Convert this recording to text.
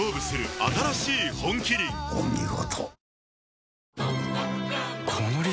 お見事。